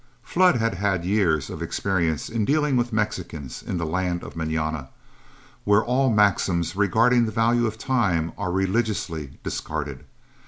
Flood had had years of experience in dealing with Mexicans in the land of mañana, where all maxims regarding the value of time are religiously discarded.